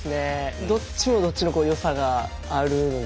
どっちもどっちの良さがあるので。